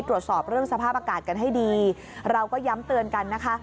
ตรวจสอบเรื่องสภาพอากาศกันให้ดีเราก็ย้ำเตือนกันนะคะ